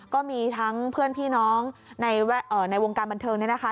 ก็มีทั้งเพื่อนพี่น้องในวงการบันเทิงเนี่ยนะคะ